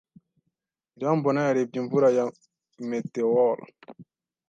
Irambona yarebye imvura ya meteor.